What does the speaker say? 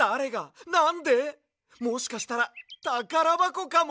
もしかしたらたからばこかも！